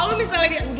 awas misalnya dia